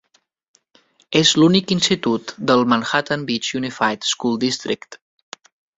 És l'únic institut del Manhattan Beach Unified School District.